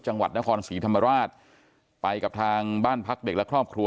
จังหวัดนครศรีธรรมราชไปกับทางบ้านพักเด็กและครอบครัว